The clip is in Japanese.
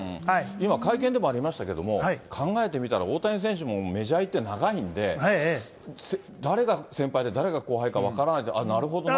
今、会見でもありましたけども、考えてみたら、大谷選手もメジャー行って長いんで、誰か先輩で、誰が後輩か分からないって、あっ、なるほどなと。